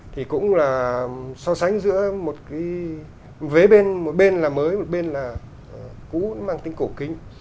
thì cũng là so sánh giữa một cái vế bên một bên là mới một bên là cũ mang tính cổ kinh